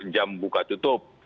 jam buka tutup